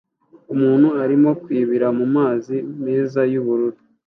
Umuntu arimo kwibira mumazi meza yubururu